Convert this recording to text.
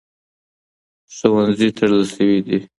ښوونځي تړل شوي دي.